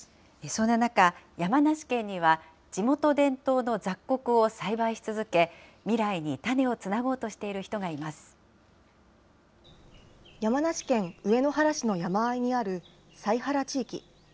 そんな中、山梨県には地元伝統の雑穀を栽培し続け、未来に種をつなごうとし山梨県上野原市の山あいにある西原地域。